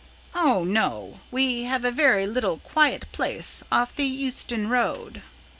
"Oh, no. We have a very little quiet place off the Euston Road."